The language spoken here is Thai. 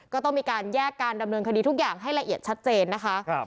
ก็ต้องมีการแยกการดำเนินคดีทุกอย่างให้ละเอียดชัดเจนนะคะ